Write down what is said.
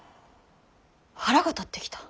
腹が立ってきた。